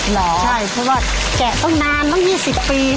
หรอเพราะว่าแกะต้องนานต้อง๒๐ปี